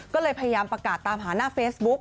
ก็เลยพยายามประกาศตามหาหน้าเฟซบุ๊ก